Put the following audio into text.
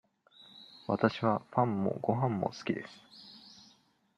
わたしはパンもごはんも好きです。